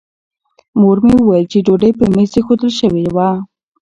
مور مې وویل چې ډوډۍ په مېز ایښودل شوې ده.